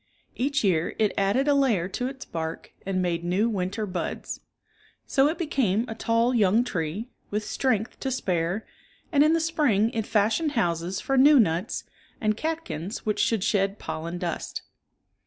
Each year it added a layer to its bark and made new winter buds. So it became a tall young tree, with strength to spare, and in the spring it fashioned houses for new nuts, and catkins which should shed pollen dust.